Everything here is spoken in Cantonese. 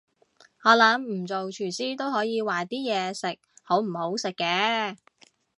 我諗唔做廚師都可以話啲嘢食好唔好食嘅